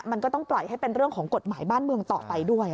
มันก็ต้องปล่อยให้เป็นเรื่องของกฎหมายบ้านเมืองต่อไปด้วย